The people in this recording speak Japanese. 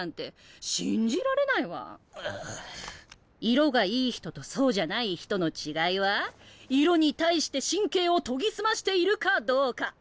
色がいい人とそうじゃない人の違いは色に対して神経を研ぎ澄ましているかどうか。